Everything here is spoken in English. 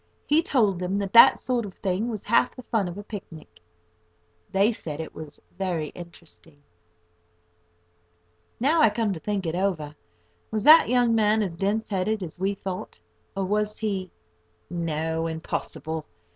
He told them that that sort of thing was half the fun of a picnic. They said it was very interesting. Now I come to think it over, was that young man as dense headed as we thought? or was he—no, impossible!